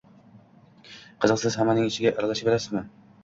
Qiziqsiz, hammaning ishiga aralashaverasizmi?